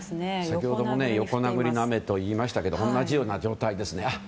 先ほども横殴りの雨といいましたけど同じような状態ですね。